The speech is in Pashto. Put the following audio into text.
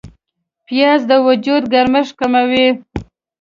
پیاز د وجود ګرمښت کموي